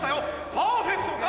パーフェクトか？